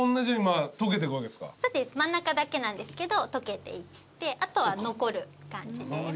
真ん中だけなんですけど溶けていってあとは残る感じで。